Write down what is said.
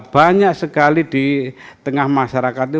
banyak sekali di tengah masyarakat itu